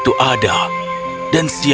kau tidak tahu apa yang akan terjadi